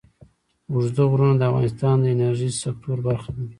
اوږده غرونه د افغانستان د انرژۍ سکتور برخه ده.